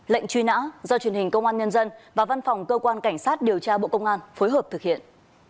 lệnh truy nã do truyền hình công an nhân dân và văn phòng cơ quan cảnh sát điều tra bộ công an phối hợp thực hiện